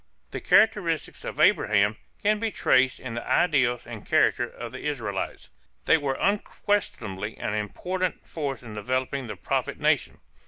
The characteristics of Abraham can be traced in the ideals and character of the Israelites. They were unquestionably an important force in developing the prophet nation.